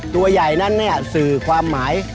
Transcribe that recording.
ตัวใหญ่นั้นเนี่ยสื่อความหมาย